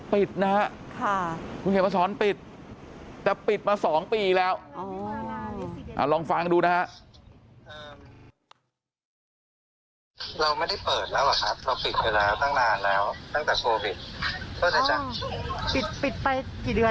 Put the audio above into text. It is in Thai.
ปิดนะฮะคุณเขียนมาสอนปิดแต่ปิดมา๒ปีแล้วลองฟังดูนะฮะ